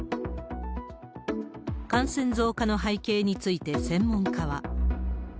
感染増加の背景について専門家は。